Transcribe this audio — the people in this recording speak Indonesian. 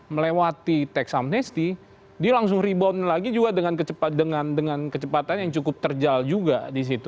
melewati teks amnesti dia langsung rebound lagi juga dengan kecepatan yang cukup terjal juga disitu